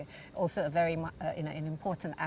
dalam pembangunan ini